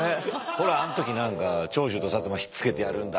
ほらあの時何か長州と摩ひっつけてやるんだとか。